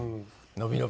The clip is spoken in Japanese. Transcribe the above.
伸び伸び。